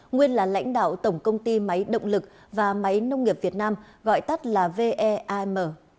nguyên là lãnh đạo tổng công ty máy động lực và máy nông nghiệp việt nam gọi tắt là vem